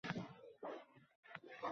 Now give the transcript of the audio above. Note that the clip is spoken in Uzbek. Omon bulsin onajonimiz